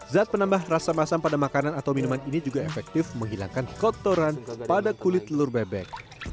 zat penambah rasa masam pada makanan atau minuman ini juga efektif menghilangkan kotoran pada kulit telur bebek